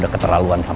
nah selesai logical